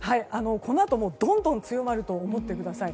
このあと、どんどん強まると思ってください。